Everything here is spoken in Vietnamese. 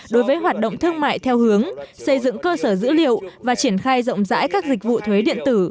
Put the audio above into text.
đối với hoạt động thương mại theo hướng xây dựng cơ sở dữ liệu và triển khai rộng rãi các dịch vụ thuế điện tử